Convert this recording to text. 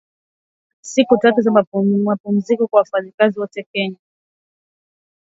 Siku tatu za mapumziko kwa wafanyakazi wote Kenya